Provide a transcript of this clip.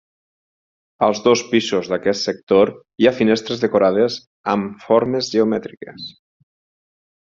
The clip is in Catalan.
Als dos pisos d'aquest sector hi ha finestres decorades amb formes geomètriques.